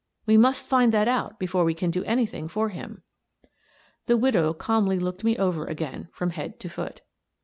We must find that out be fore we can do anything for him." The widow calmly looked me over again from head to foot.